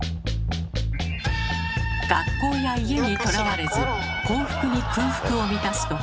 学校や家にとらわれず幸福に空腹を満たす時